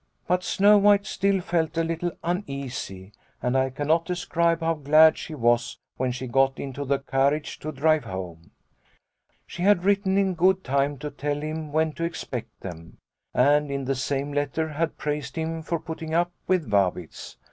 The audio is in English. " But Snow White still felt a little uneasy, and I cannot describe how glad she was when she got into the carriage to drive home. She had written in good time to tell him when to expect them, and in the same letter had praised him for putting up with Vabitz.